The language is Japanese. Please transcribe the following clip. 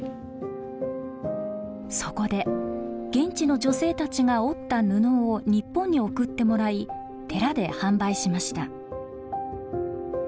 そこで現地の女性たちが織った布を日本に送ってもらい寺で販売しました。